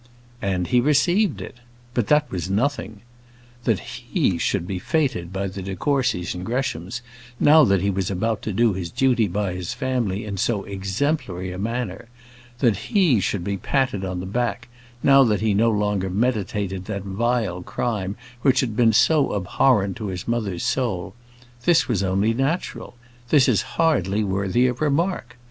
And he received it. But that was nothing. That he should be fêted by the de Courcys and Greshams, now that he was about to do his duty by his family in so exemplary a manner: that he should be patted on the back, now that he no longer meditated that vile crime which had been so abhorrent to his mother's soul; this was only natural; this is hardly worthy of remark.